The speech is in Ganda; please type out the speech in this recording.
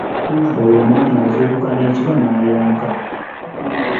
oyo omwana azuukuka n'ekiro n'ayonka.